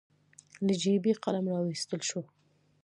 له جېبې قلم راواييستل شو.